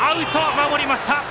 守りました！